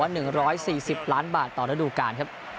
หรือว่า๑๔๐ล้านบาทต่อระดูกการครับ